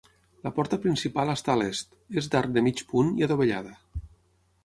La porta principal està a l'est, és d'arc de mig punt i adovellada.